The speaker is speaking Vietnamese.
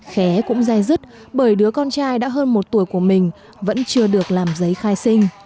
khé cũng dài dứt bởi đứa con trai đã hơn một tuổi của mình vẫn chưa được làm giấy khai sinh